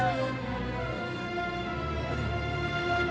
mas jangan mas